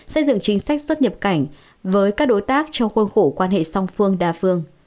xây dựng chính sách xuất nhập cảnh với các đối tác trong khuôn khổ quan hệ song phương đa phương